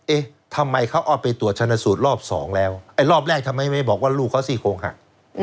เอ๊ะทำไมเขาเอาไปตรวจชนสูตรรอบสองแล้วไอ้รอบแรกทำไมไม่บอกว่าลูกเขาซี่โครงหัก